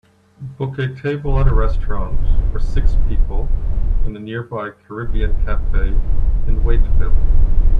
book a table at a restaurant for six people in a nearby caribbean cafe in Waiteville